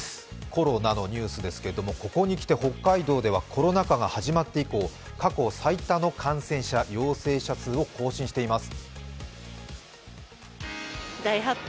コロナのニュースですけどここにきて北海道ではコロナ禍が始まって以降、過去最多の感染者、陽性者数を更新しています。